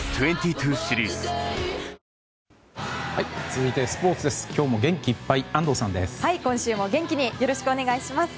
続いて、スポーツです。